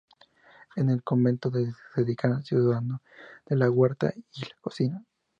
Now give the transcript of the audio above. En el convento se dedicará al cuidado de la huerta y la cocina.